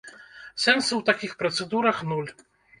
Сэнсу ў такіх працэдурах нуль.